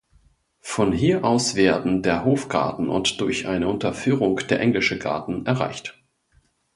Von hier aus werden der Hofgarten und durch eine Unterführung der Englische Garten erreicht.